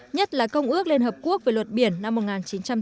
nhất là công ước liên hợp quốc về luật biển năm một nghìn chín trăm tám mươi hai